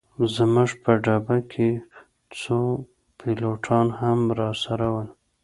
زموږ په ډبه کي څو پیلوټان هم راسره ول.